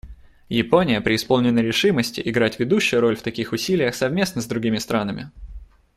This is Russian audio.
Япония преисполнена решимости играть ведущую роль в таких усилиях совместно с другими странами.